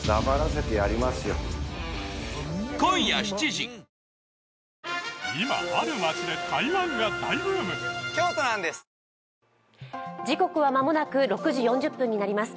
時刻は間もなく６時４０分になります。